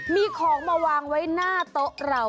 มีของมาวางไว้หน้าโต๊ะเรา